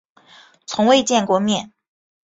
从未见过面